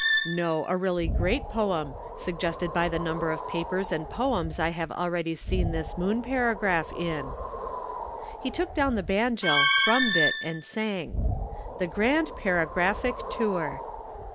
"No, a really great poem, suggested by the number of papers and poems I have already seen this Moon paragraph in." He took down the banjo, thrummed it, and sang: THE GRAND PARAGRAPHIC TOUR.